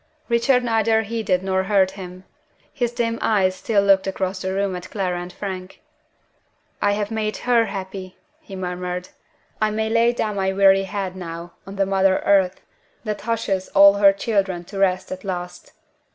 Richard neither heeded nor heard him. His dim eyes still looked across the room at Clara and Frank. "I have made her happy!" he murmured. "I may lay down my weary head now on the mother earth that hushes all her children to rest at last.